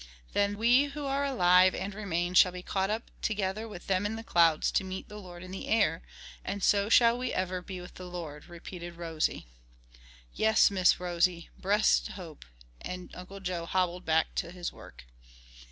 '" "Then we who are alive and remain shall be caught up together with them in the clouds to meet the Lord in the air: and so shall we ever be with the Lord," repeated Rosie. "Yes, Miss Rosie. Bressed hope." And Uncle Joe hobbled back to his work.